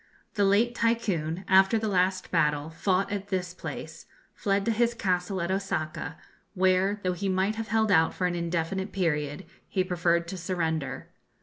The late Tycoon, after the last battle, fought at this place, fled to his castle at Osaka, where, though he might have held out for an indefinite period, he preferred to surrender.